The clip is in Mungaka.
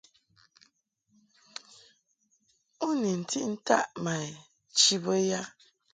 U ni ntiʼ ntaʼ ma chi bə ya ?